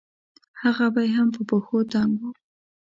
هغه به يې هم په پښو تنګ وو.